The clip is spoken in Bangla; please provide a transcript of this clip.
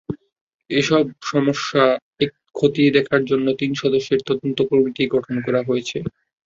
এসব সমস্যা খতিয়ে দেখার জন্য তিন সদস্যের তদন্ত কমটি গঠন করা হয়েছে।